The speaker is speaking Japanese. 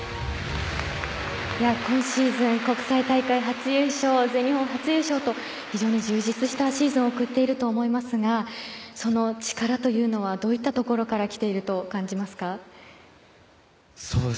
今シーズン、国際大会初優勝全日本初優勝と非常に充実したシーズンを送っていると思いますがその力というのはどういったところからきていると感じますか。